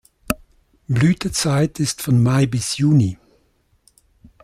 Blütezeit ist von Mai bis Juni.